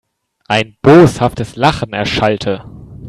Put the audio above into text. Ein boshaftes Lachen erschallte.